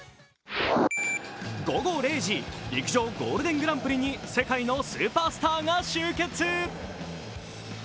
午後０時、陸上ゴールデングランプリに世界のスーパースターが集結。